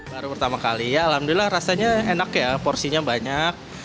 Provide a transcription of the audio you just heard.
baru pertama kali ya alhamdulillah rasanya enak ya porsinya banyak